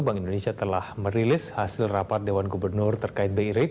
bank indonesia telah merilis hasil rapat dewan gubernur terkait bi rate